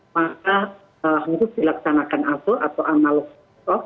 maka harus dilaksanakan aso atau amalus sos